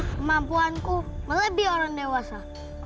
kemampuanku melebihi orang dewasa